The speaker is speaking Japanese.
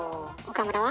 岡村は？